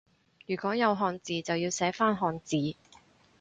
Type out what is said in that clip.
如果有漢字就要寫返漢字